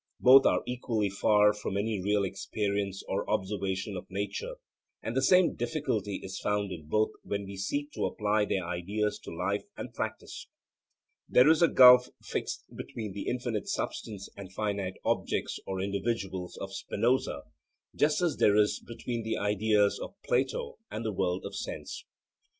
Both are equally far from any real experience or observation of nature. And the same difficulty is found in both when we seek to apply their ideas to life and practice. There is a gulf fixed between the infinite substance and finite objects or individuals of Spinoza, just as there is between the ideas of Plato and the world of sense.